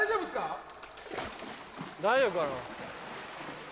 大丈夫かな？